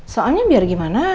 soalnya biar gimana